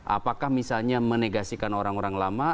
apakah misalnya menegasikan orang orang lama